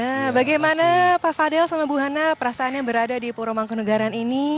nah bagaimana pak fadel sama bu hana perasaannya berada di puro mangkunegaran ini